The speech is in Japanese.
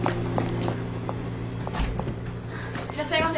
いらっしゃいませ。